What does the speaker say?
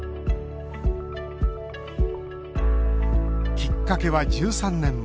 きっかけは１３年前。